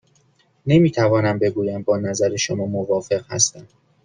نمی توانم بگویم با نظر شما موافق هستم.